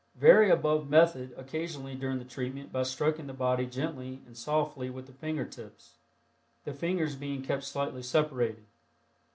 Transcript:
Vary above method occasionally during the treatment by stroking the body gently and softly with the finger tips, the fingers being kept slightly separated.